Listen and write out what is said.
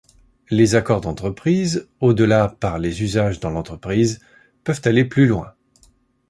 Les accords d'entreprises, au-delà par les usages dans l'entreprise, peuvent aller plus loin.